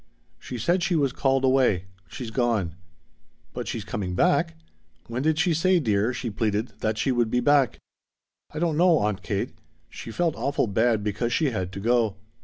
"She said she was called away. She's gone." "But she's coming back? When did she say, dear," she pleaded, "that she would be back?" "I don't know, Aunt Kate. She felt awful bad because she had to go.